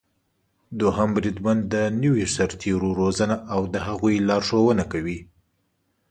دوهم بریدمن د نويو سرتېرو روزنه او د هغوی لارښونه کوي.